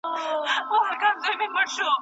الله تعالی دغه ښکلې قصه نازله کړه.